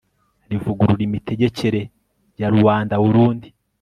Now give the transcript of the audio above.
rivugurura imitegekere ya ruanda-urundi